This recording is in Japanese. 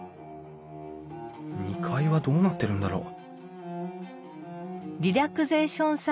２階はどうなってるんだろう？